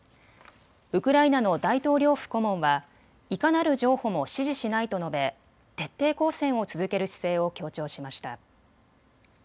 ウクライナの大統領府顧問はいかなる譲歩も支持しないと述べ徹底抗戦を続ける姿勢を強調しました。